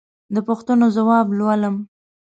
د پوښتنو ځواب لولم.